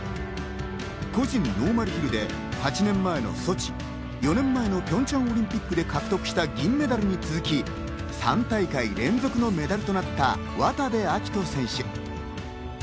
個人ノーマルヒルで８年前のソチ、４年前のピョンチャンオリンピックで獲得した銀メダルに続き、３大会連続のメダルとなった渡部暁斗選手。